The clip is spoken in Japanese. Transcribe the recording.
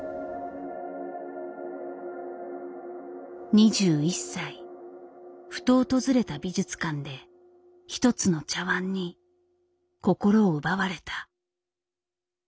２１歳ふと訪れた美術館で一つの茶碗に心を奪われた。